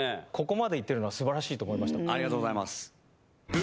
ありがとうございます。